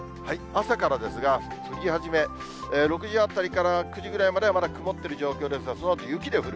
東京に特化して見てみますと、朝からですが、降り始め、６時あたりから９時ぐらいまではまだ曇っている状況ですが、そのあと雪が降る。